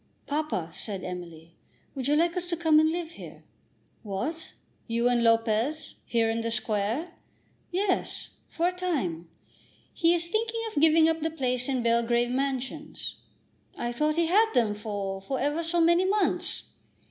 "Papa," said Emily, "would you like us to come and live here?" "What, you and Lopez; here, in the Square?" "Yes; for a time. He is thinking of giving up the place in Belgrave Mansions." "I thought he had them for for ever so many months."